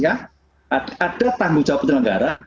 ada tanggung jawab penyelenggara